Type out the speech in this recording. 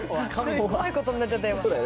怖いことになっちゃった、今。